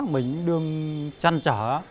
mình đương chăn trở